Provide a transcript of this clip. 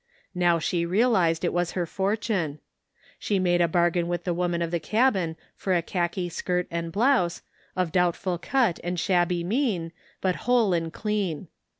Now she realized it was her fortune. She made a bargain with the woman of the cabin for a khaki skirt and blouse, of doubtful cut and shabby mien, but whole and clean.